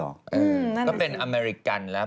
นั่นแหละค่ะค่ะก็เป็นอเมริกันแล้ว